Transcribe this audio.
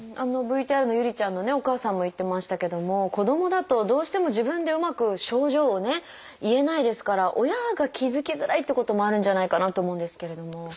あのＶＴＲの侑里ちゃんのねお母さんも言ってましたけども子どもだとどうしても自分でうまく症状をね言えないですから親が気付きづらいってこともあるんじゃないかなと思うんですけれども。